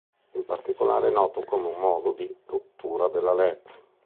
In particolare è noto come un modo di cottura della lepre.